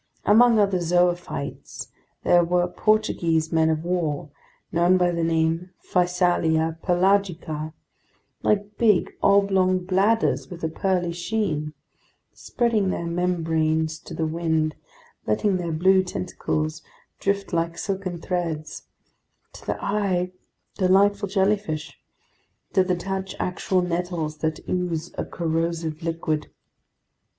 Among other zoophytes there were Portuguese men of war known by the name Physalia pelagica, like big, oblong bladders with a pearly sheen, spreading their membranes to the wind, letting their blue tentacles drift like silken threads; to the eye delightful jellyfish, to the touch actual nettles that ooze a corrosive liquid.